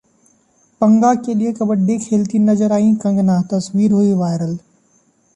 पंगा के लिए कबड्डी खेलती नज़र आईं कंगना, तस्वीर हुई वायरल